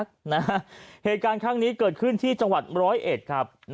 นะฮะเหตุการณ์ข้างนี้เกิดขึ้นที่จังหวัด๑๐๑ครับ